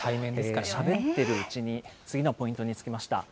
しゃべってるうちに次のポイントに着きました。